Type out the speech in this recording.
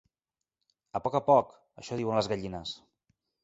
A poc, a poc! —Això diuen les gallines!